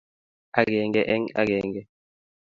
akenge eng ekenge